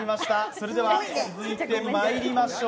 それでは続いてまいりましょう。